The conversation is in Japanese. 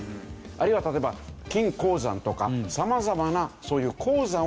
あるいは例えば金鉱山とか様々なそういう。